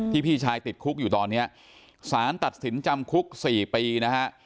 พี่ชายติดคุกอยู่ตอนนี้สารตัดสินจำคุก๔ปีนะฮะ